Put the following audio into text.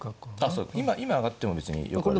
そう今上がっても別によくある。